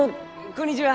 こんにちは。